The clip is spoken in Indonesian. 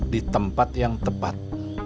di tempat yang tepat